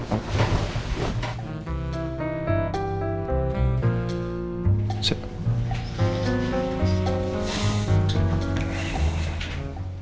tidur disitu maksudnya saya